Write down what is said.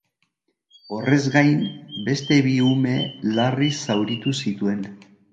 Horrez gain, beste bi ume larri zauritu zituen.